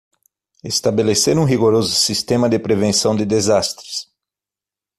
Estabelecer um rigoroso sistema de prevenção de desastres